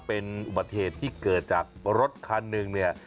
เป็นอุบัติเหตุที่เกิดจากรถคันหนึ่งเนี่ย